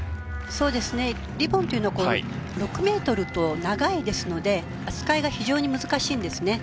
そうですねリボンというのは６メートルと長いですので扱いが非常に難しいんですね。